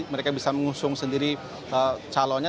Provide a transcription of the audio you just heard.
mereka bisa mengusung sendiri calonnya